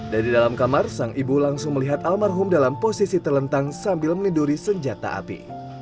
dari dalam kamar sang ibu langsung melihat almarhum dalam posisi terlentang sambil meniduri senjata api